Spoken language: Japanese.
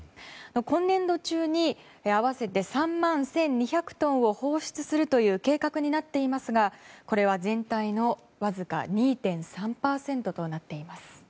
今年度中に合わせて３万１２００トンを放出するという計画になっていますがこれは全体のわずか２．３％となっています。